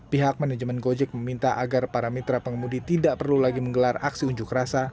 pihak manajemen gojek meminta agar para mitra pengemudi tidak perlu lagi menggelar aksi unjuk rasa